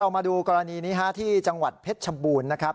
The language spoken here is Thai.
มาดูกรณีนี้ที่จังหวัดเพชรชบูรณ์นะครับ